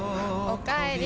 おかえり。